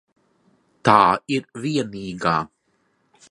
Tā ir vienīgā.